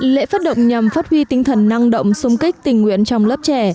lễ phát động nhằm phát huy tinh thần năng động xung kích tình nguyện trong lớp trẻ